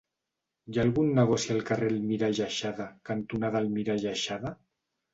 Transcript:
Hi ha algun negoci al carrer Almirall Aixada cantonada Almirall Aixada?